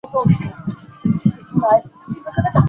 美国是世界矿产资源最丰富的国家之一。